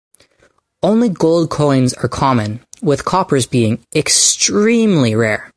Only gold coins are common, with coppers being extremely rare.